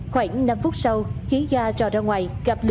khoảng năm phút sau khí ga rò ra ngoài